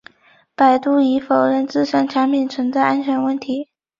百度已否认自身产品存在安全问题。